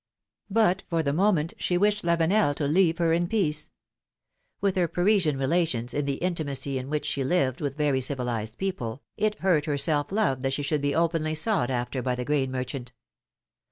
But for the moment she wished Lavenel to leave her in peace ; with her Parisian relations, in the intimacy in which she lived with very civilized people, it hurt her 7 106 philomi^ne's marriages. self love that she should be openly sought after by the grain merchant.